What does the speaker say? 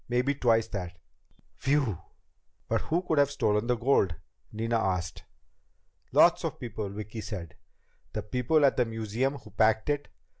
Maybe twice that." "Whew!" "But who could have stolen the gold?" Nina asked. "Lots of people," Vicki said. "The people at the museum who packed it.